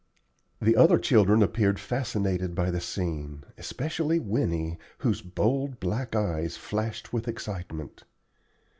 The other children appeared fascinated by the scene, especially Winnie, whose bold black eyes flashed with excitement.